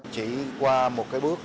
chỉ qua một cái bước